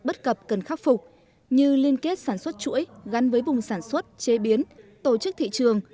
bất cập cần khắc phục như liên kết sản xuất chuỗi gắn với vùng sản xuất chế biến tổ chức thị trường